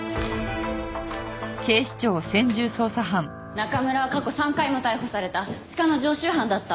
中村は過去３回も逮捕された痴漢の常習犯だった。